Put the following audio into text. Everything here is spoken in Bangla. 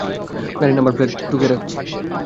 গাড়ির নাম্বার প্লেট টুকে রেখেছি।